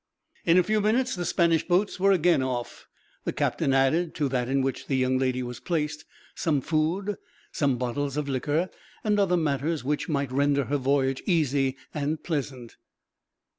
In a few minutes the Spanish boats were again off. The captain added, to that in which the young lady was placed, some food, some bottles of liqueur, and other matters which might render her voyage easy and pleasant.